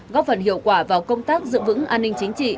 góp phần hiệu quả vào công tác giữ vững an ninh chính trị